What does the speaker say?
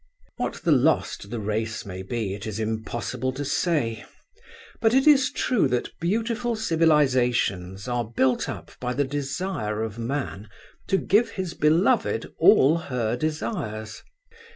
What the loss to the race may be it is impossible to say, but it is true that beautiful civilizations are built up by the desire of man to give his beloved all her desires.